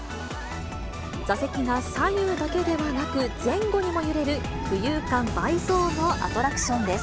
座席が左右だけではなく、前後にも揺れる浮遊感倍増のアトラクションです。